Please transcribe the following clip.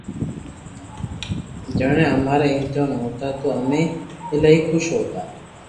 جڻا امارا امتحان ھوتا تو امي ايلائي خوݾ ھوتا